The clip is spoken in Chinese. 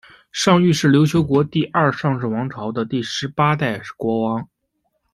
尚育是琉球国第二尚氏王朝的第十八代国王。